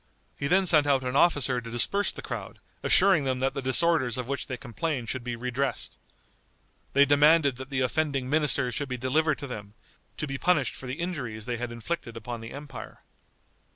He then sent out an officer to disperse the crowd, assuring them that the disorders of which they complained should be redressed. They demanded that the offending ministers should be delivered to them, to be punished for the injuries they had inflicted upon the empire.